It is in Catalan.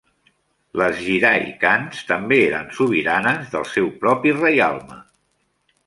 Les Giray khans també eren sobiranes del seu propi reialme.